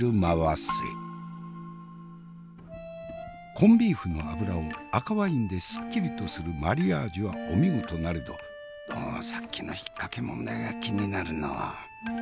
コンビーフの脂を赤ワインですっきりとするマリアージュはお見事なれどどうもさっきの引っ掛け問題が気になるのう。